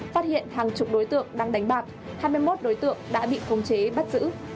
phát hiện hàng chục đối tượng đang đánh bạc hai mươi một đối tượng đã bị khống chế bắt giữ